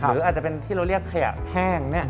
หรืออาจจะเป็นที่เราเรียกขยะแห้ง